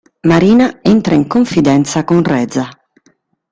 Marina entra in confidenza con Reza.